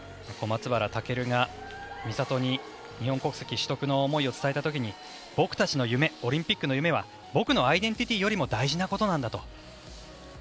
小松原尊が美里に日本国籍取得の思いを伝えた時に僕たちの夢、オリンピックの夢は僕のアイデンティティーよりも大事なことなんだと。